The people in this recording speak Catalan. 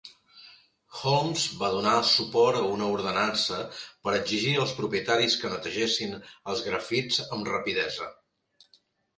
Holmes va donar suport a una ordenança per exigir als propietaris que netegessin els grafits amb rapidesa.